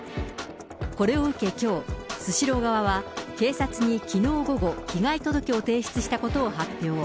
これを受け、きょう、スシロー側は、警察にきのう午後、被害届を提出したことを発表。